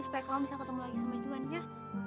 supaya kamu bisa ketemu lagi sama juwannya